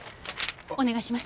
お願いします。